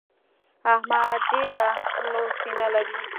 احمد ډېره لو سينه لري.